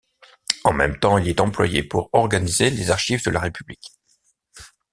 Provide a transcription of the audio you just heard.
En même temps, il est employé pour organiser les archives de la République.